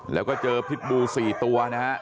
แล้วก็เจอพิษบู๔ตัวนะฮะ